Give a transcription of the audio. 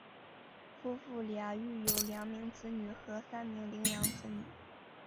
夫妇俩育有两名子女和三名领养子女。